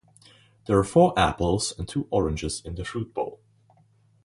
There are four apples and two oranges in the fruit bowl.